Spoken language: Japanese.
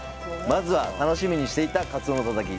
まずは、楽しみにしていたカツオのタタキ。